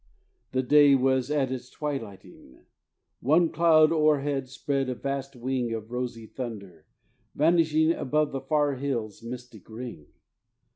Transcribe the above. The day was at its twilighting; One cloud o'erhead spread a vast wing Of rosy thunder; vanishing Above the far hills' mystic ring.